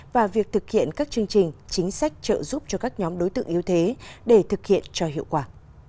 và việc thực hiện các chương trình chính sách trợ giúp cho các nhóm đối tượng yếu thế để thực hiện cho hiệu quả